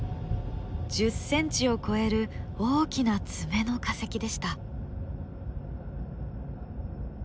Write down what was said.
１０ｃｍを超える大きな爪の化石でした。